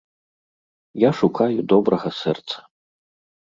Я шукаю добрага сэрца.